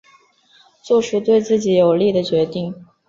做出对自己有利的决定